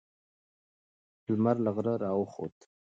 لمر له غره راوخوت.